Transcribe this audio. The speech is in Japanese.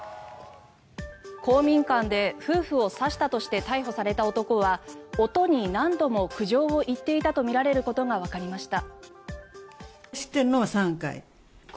公民館で夫婦を刺したとして逮捕された男は音に何度も苦情を言っていたとみられることがわかりました。